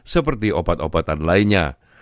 seperti obat obatan lainnya